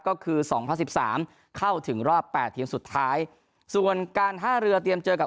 ก็คือ๒๐๑๓เข้าถึงรอบ๘เทียมสุดท้ายส่วนการท่าเรือเตรียมเจอกับ